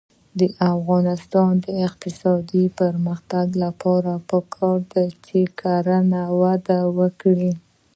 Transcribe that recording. د افغانستان د اقتصادي پرمختګ لپاره پکار ده چې کرنه وده وکړي.